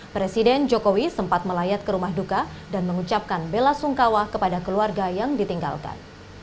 presiden jokowi sempat melayat ke rumah duka dan mengucapkan bela sungkawa kepada keluarga yang ditinggalkan